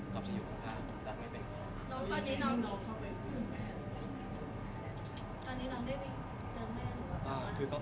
ก๊อฟจะอยู่ข้างแล้วไม่เป็นก็ตอนนี้น้องตอนนี้น้องได้มีเจอแม่หรือเปล่า